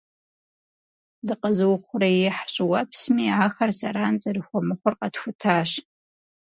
Дыкъэзыухъуреихь щIыуэпсми ахэр зэран зэрыхуэмыхъур къэтхутащ